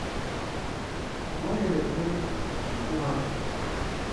Noherejwe kuguha ibi.